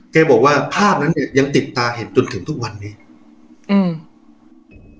แกบอกว่าภาพนั้นเนี้ยยังติดตาเห็นจนถึงทุกวันนี้อืม